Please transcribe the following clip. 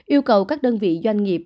yêu cầu các đơn vị doanh nghiệp